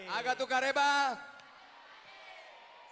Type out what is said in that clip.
aga tukar rebah